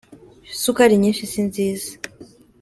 isukari nyinshi si nziza